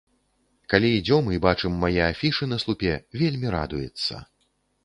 Калі ідзём і бачым мае афішы на слупе, вельмі радуецца.